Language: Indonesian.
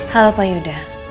halo pak yuda